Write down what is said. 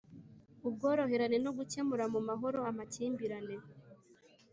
Ubworoherane no gukemura mu mahoro amakimbirane